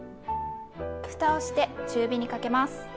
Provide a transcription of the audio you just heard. ふたをして中火にかけます。